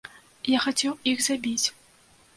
Я хацеў іх забіць.